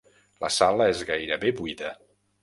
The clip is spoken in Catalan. La sala és gairebé buida.